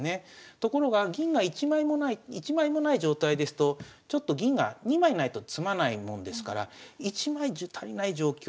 ところが銀が１枚もない状態ですとちょっと銀が２枚ないと詰まないもんですから１枚じゃ足りない状況。